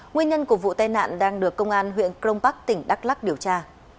nguyên nhân của vụ tai nạn đang được công an huyện crong park tỉnh đắk lắc điều tra